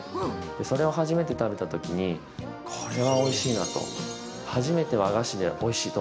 それを初めて食べたときにこれはおいしいなと。